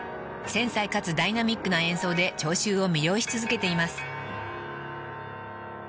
［繊細かつダイナミックな演奏で聴衆を魅了し続けています］